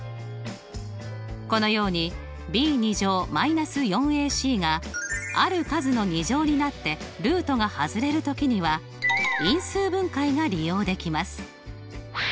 このようにｂ−４ｃがある数の２乗になってルートが外れる時には因数分解が利用できます。